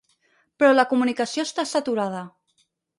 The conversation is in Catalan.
Però la comunicació està saturada.